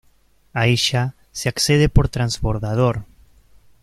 A ella se accede por transbordador.